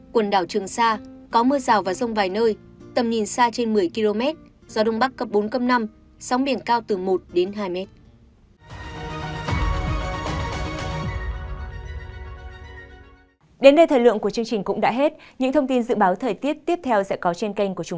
khu vực trường sa có mưa rào và rông vài nơi tầm nhìn xa trên một mươi km